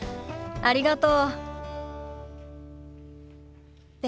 ありがとう。